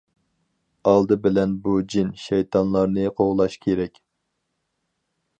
ئالدى بىلەن بۇ جىن- شەيتانلارنى قوغلاش كېرەك.